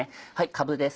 かぶです。